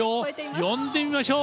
呼んでみましょう。